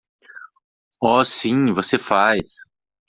Oh sim você faz!